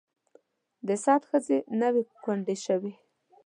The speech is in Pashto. د سعد ښځې نه وې کونډې شوې.